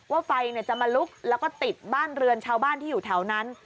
ว่าไฟจะมาลุกแล้วก็ติดบ้านเรือนชาวบ้านที่อยู่แถวนั้น